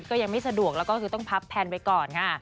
ก็ยังไม่สะดวกเราก็ต้องพับแพลนไปก่อนค่ะ